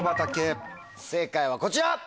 正解はこちら！